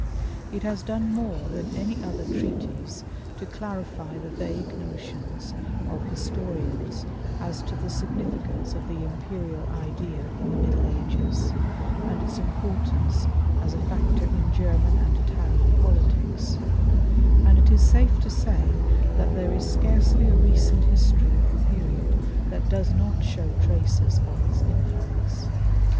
It has done more than any other treatise to clarify the vague notions of historians as to the significance of the imperial idea in the Middle Ages, and its importance as a factor in German and Italian politics; and it is safe to say that there is scarcely a recent history of the period that does not show traces of its influence.